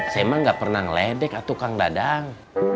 saya emang nggak pernah ngeledek ah tukang dadang